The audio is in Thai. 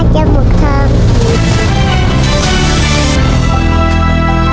จมูกธอม